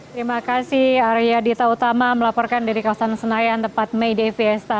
terima kasih arya dita utama melaporkan dari kawasan senayan tempat may day fiesta